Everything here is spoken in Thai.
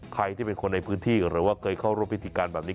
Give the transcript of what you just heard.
ใครที่เป็นคนในพื้นที่หรือว่าเคยเข้าร่วมพิธีการแบบนี้